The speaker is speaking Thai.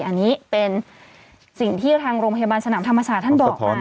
อันนี้เป็นสิ่งที่ทางโรงพยาบาลสนามธรรมศาสตร์ท่านบอกมา